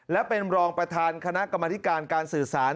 และเป็นรองประธานคณะกรรมธิการการสื่อสาร